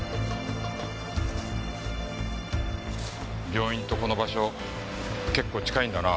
病院とこの場所結構近いんだな。